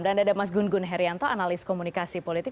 dan ada mas gun gun herianto analis komunikasi politik